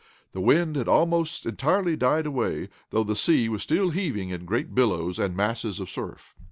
The wind had almost entirely died away, though the sea was still heaving in great billows, and masses of surf.